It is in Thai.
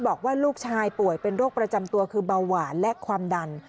บอกว่าลูกชายป่วยเป็นโรคประจำตัวคือเบาหวานและความดัน